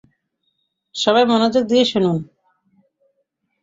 সবাই মনোযোগ দিয়ে শুনুন।